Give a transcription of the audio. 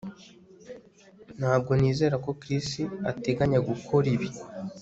Ntabwo nizera ko Chris ateganya gukora ibi